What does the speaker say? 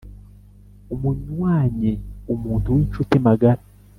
umunywanyi: umuntu w’inshuti magara